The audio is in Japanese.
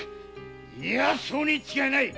いやそうに違いない‼